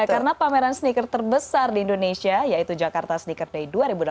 karena pameran sneaker terbesar di indonesia yaitu jakarta sneaker day dua ribu delapan belas